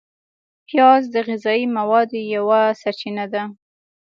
پیاز د غذایي موادو یوه سرچینه ده